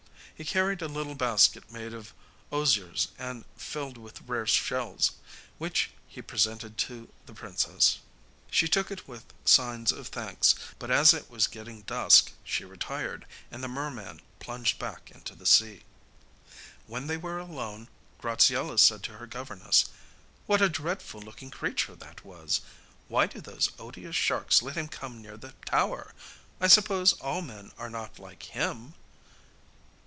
He carried a little basket made of osiers and filled with rare shells, which he presented to the princess. She took it with signs of thanks; but as it was getting dusk she retired, and the merman plunged back into the sea. When they were alone, Graziella said to her governess: 'What a dreadful looking creature that was! Why do those odious sharks let him come near the tower? I suppose all men are not like him?